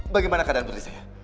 bagaimana keadaan putri saya